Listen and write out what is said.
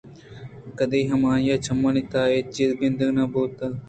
کدی ہم آئی ءِ چمانی تہا اے چیز گندگ نہ بوت